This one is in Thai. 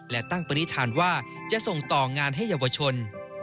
และตั้งปณิธานว่าจะส่งต่องานให้เยาวชน